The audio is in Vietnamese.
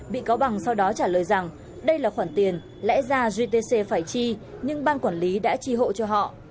bị cáo bằng sau đó trả lời rằng đây là khoản tiền lẽ ra gtc phải chi nhưng ban quản lý đã tri hộ cho họ